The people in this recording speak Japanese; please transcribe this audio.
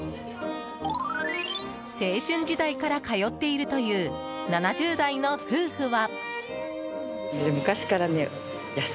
青春時代から通っているという７０代の夫婦は。